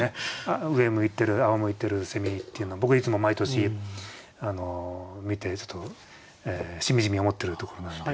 上向いてるあおむいてるっていうの僕いつも毎年見てしみじみ思ってるところなので。